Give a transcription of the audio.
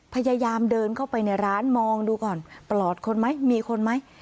พยายามเดินเข้าไปในร้านมองดูก่อนปลอดคนไหมมีคนไหม